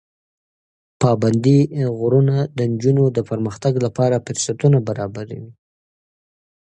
پابندي غرونه د نجونو د پرمختګ لپاره فرصتونه برابروي.